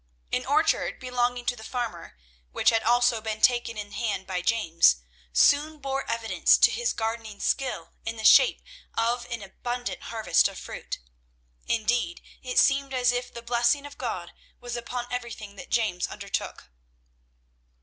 An orchard belonging to the farmer, which had also been taken in hand by James, soon bore evidence to his gardening skill in the shape of an abundant harvest of fruit. Indeed, it seemed as if the blessing of God was upon everything that James undertook.